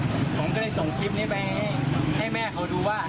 ผมก็เลยส่งคลิปนี้ไปให้แม่เขาดูว่า